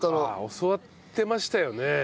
ああ教わってましたよね。